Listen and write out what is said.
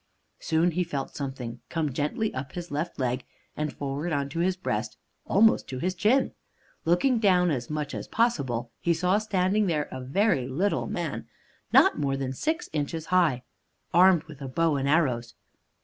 Soon he felt something come gently up his left leg, and forward on to his breast almost to his chin. Looking down as much as possible, he saw standing there a very little man, not more than six inches high, armed with a bow and arrows.